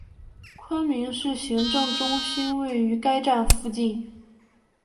昆明市行政中心位于该站附近。